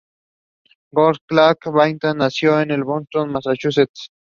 George Clapp Vaillant nació en Boston, Massachusetts.